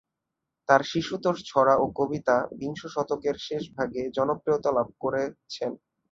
তার শিশুতোষ ছড়া ও কবিতা বিংশ শতকের শেষভাগে জনপ্রিয়তা লাভ করেছেন।